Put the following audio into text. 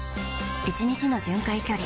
１日の巡回距離